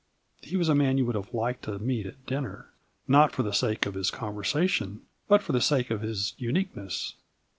He was a man you would have liked to meet at dinner, not for the sake of his conversation, but for the sake of his uniqueness.